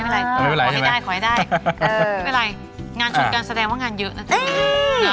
ไม่เป็นไรไม่เป็นไรขอให้ได้ไม่เป็นไรงานชนกันแสดงว่างานเยอะนะ